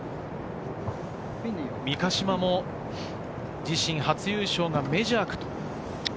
三ヶ島も自身初優勝がメジャーか。